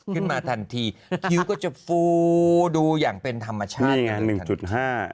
ขึ้นมาทันทีคิ้วก็จะฟูดูอย่างเป็นธรรมชาติไงจุดห้า